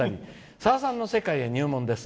さださんの世界へ入門です。